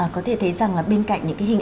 có thể thấy rằng là bên cạnh những hình ảnh